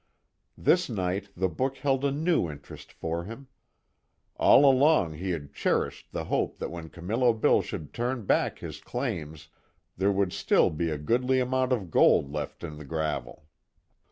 This night the book held a new interest for him. All along he had cherished the hope that when Camillo Bill should turn back his claims, there would still be a goodly amount of gold left in the gravel.